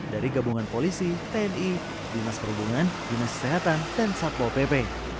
dari gabungan polisi tni dinas perhubungan dinas kesehatan dan satpol pp